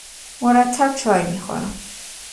مرتب چای میخورم